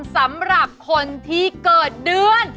สำหรับคนที่เกิดเดือน